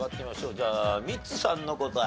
じゃあミッツさんの答え。